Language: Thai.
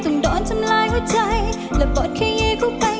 ต้องโดนทำลายหัวใจและปอดคลีเข้าไป